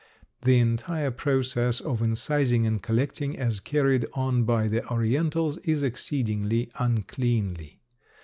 The entire process of incising and collecting as carried on by the Orientals is exceedingly uncleanly.